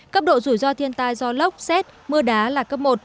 cấp độ rủi ro thiên tai do lốc xét mưa đá là cấp một